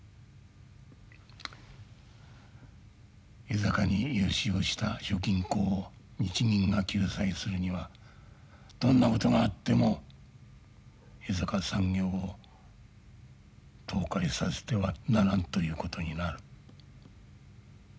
江坂に融資をした諸銀行を日銀が救済するにはどんなことがあっても江坂産業を倒壊させてはならんということになる。